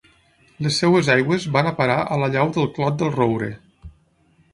Les seves aigües van a parar a la llau del Clot del Roure.